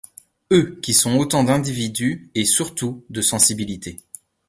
Eux qui sont autant d’individus et, surtout, de sensibilités.